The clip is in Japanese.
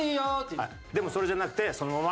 でもそれじゃなくてそのまま。